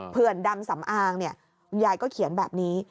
เผื่อนดำสำอางเนี่ยยายก็เขียนแบบนี้